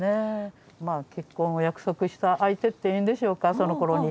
結婚を約束した相手っていうんでしょうかそのころに。